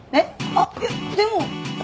あっいやでも。